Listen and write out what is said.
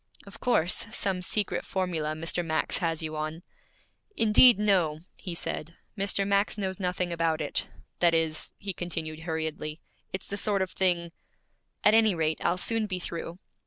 'Of course, some secret formula Mr. Max has you on.' 'Indeed, no,' he said. 'Mr. Max knows nothing about it that is,' he continued hurriedly, 'it's the sort of thing At any rate, I'll soon be through.'